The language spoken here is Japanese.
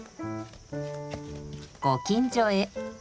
ご近所へ。